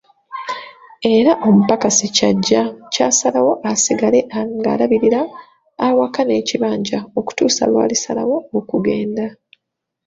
Era omupakasi Kyajja kyasalwawo asigale ng'alabirira awaka n'ekibanja okutuusa lw'alisalawo okugenda.